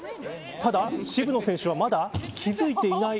ただ渋野選手はまだ気付いていない。